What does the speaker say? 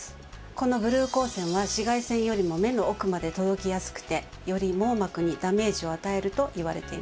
このブルー光線は紫外線よりも目の奥まで届きやすくてより網膜にダメージを与えるといわれています。